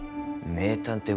名探偵